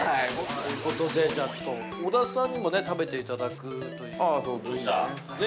◆ということで、じゃあ、ちょっと小田さんにも食べていただくということですね。